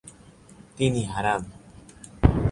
তিনি হারান।